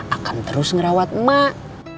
akan terus ngerawat emak